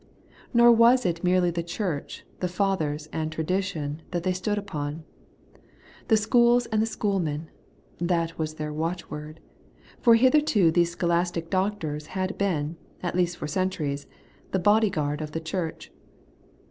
Nor was it merely the Charch, the Fathers, and tradition that they stood npon^ The schools and the schoolmen ! This was their watchword ; for hitherto these scholastic doctors had been, at least for centuries, the body guard of the Church.